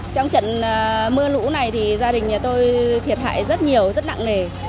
trong trận mưa lũ này thì gia đình nhà tôi thiệt hại rất nhiều rất nặng nề